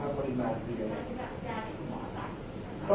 แต่ว่าไม่มีปรากฏว่าถ้าเกิดคนให้ยาที่๓๑